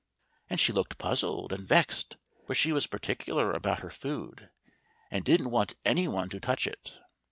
And she looked puzzled and vexed, for she was particular about her food, and didn't want any one to touch it.